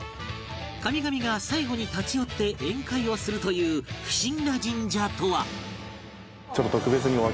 神々が最後に立ち寄って宴会をするという不思議な神社とは？